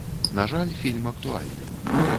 На жаль, фільм актуальны.